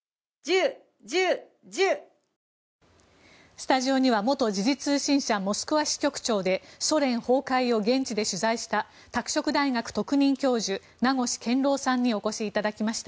スタジオには元時事通信社モスクワ支局長でソ連崩壊を現地で取材した拓殖大学特任教授名越健郎さんにお越しいただきました。